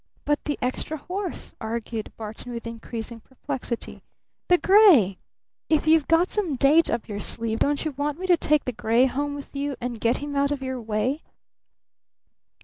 "But the extra horse?" argued Barton with increasing perplexity. "The gray? If you've got some date up your sleeve, don't you want me to take the gray home with me, and get him out of your way?"